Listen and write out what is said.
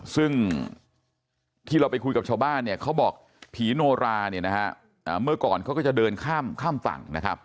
ซึ่งที่เราไปคุยกับชาวบ้านเขาบอกผีโนราเมื่อก่อนเขาก็จะเดินข้ามฝั่ง